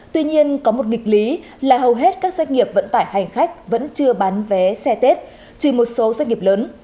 tuy nhiên có một nghịch lý là hầu hết các doanh nghiệp vận tải hành khách vẫn chưa bán vé xe tết trừ một số doanh nghiệp lớn